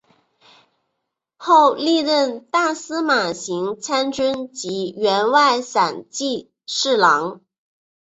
后历任大司马行参军及员外散骑侍郎。